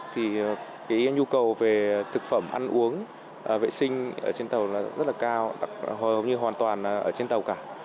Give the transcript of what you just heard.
thì cái nhu cầu về thực phẩm ăn uống vệ sinh ở trên tàu là rất là cao hầu như hoàn toàn ở trên tàu cả